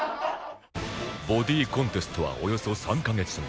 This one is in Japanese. ボディコンテストはおよそ３カ月後